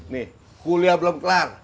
nih kuliah belum kelar